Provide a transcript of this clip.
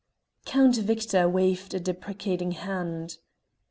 Count Victor waved a deprecating hand.